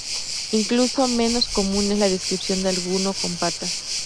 Incluso menos común es la descripción de alguno con patas.